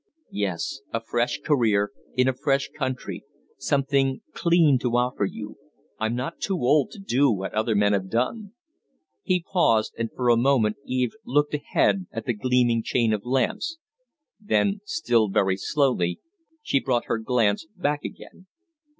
"Yes; a fresh career in a fresh country. Something clean to offer you. I'm not too old to do what other men have done." He paused, and for a moment Eve looked ahead at the gleaming chain of lamps; then, still very slowly, she brought her glance back again.